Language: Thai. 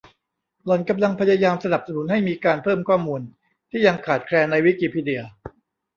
หล่อนกำลังพยายามสนับสนุนให้มีการเพิ่มข้อมูลที่ยังขาดแคลนในวิกิพีเดีย